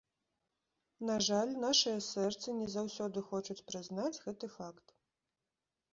На жаль, нашыя сэрцы не заўсёды хочуць прызнаць гэты факт.